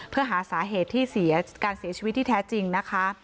เพื่อหาสาเหตุที่การเสียชีวิตที่แท้จริงนะคะ